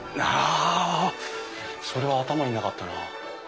あそれは頭になかったな。